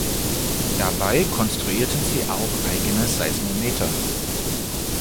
Dabei konstruierten sie auch eigene Seismometer.